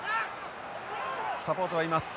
サポートがいます。